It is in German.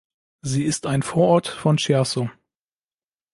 Sie ist ein Vorort von Chiasso.